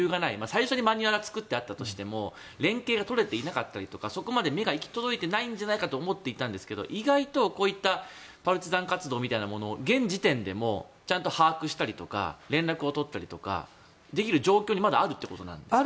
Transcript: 最初にマニュアルは作ってあったとしても連携が取れていなかったりとかそこまで目が行き届いていないんじゃないかと思っていたんですけど意外とこういったパルチザン活動みたいなものを現時点でもちゃんと把握したり連絡を取ったりとかできる状況にあるということなんですか？